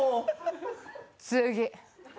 次。